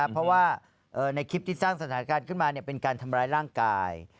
เพราะว่าในคลิปที่สร้างสถานการณ์ขึ้นมาเป็นการทำร้ายร่างกาย